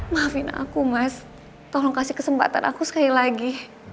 maafin aku mas tolong kasih kesempatan aku sekali lagi